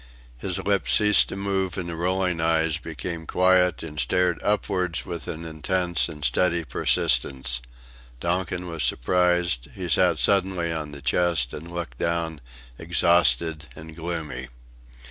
His lips ceased to move and the rolling eyes became quiet and stared upwards with an intense and steady persistence. Donkin was surprised; he sat suddenly on the chest, and looked down, exhausted and gloomy.